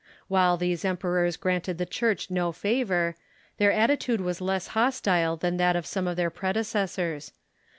While these emperors granted the Church no favor, their attitude was less hostile than that of some of their predecessors.